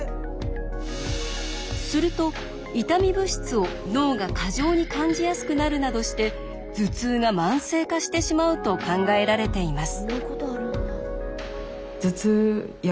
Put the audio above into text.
すると痛み物質を脳が過剰に感じやすくなるなどして頭痛が慢性化してしまうと考えられています。